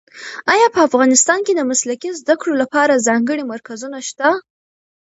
ایا په افغانستان کې د مسلکي زده کړو لپاره ځانګړي مرکزونه شته؟